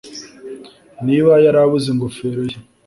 niba yari abuze ingofero ye